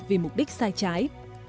vì mục đích sai trái